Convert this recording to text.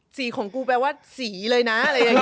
สรีของกูแปลว่าสรีเลยนะ